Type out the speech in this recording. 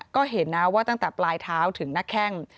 ก็เห็นนะว่าตั้งแต่ปลายเท้าถึงหน้าแข้ง